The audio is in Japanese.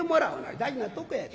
大事なとこやで。